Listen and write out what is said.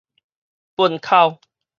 糞口